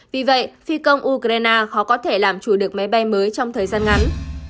vì vậy phi công ukraine khó có thể làm chủ được máy bay mới trong thời gian ngắn